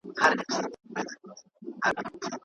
په وروسته پاته هېوادونو کي د کار مؤلدېت نسبي لوړ وي.